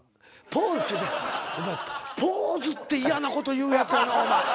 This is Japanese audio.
「ポーズ」って嫌なこと言うやつやなお前。